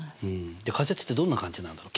じゃ仮説ってどんな感じなんだろう？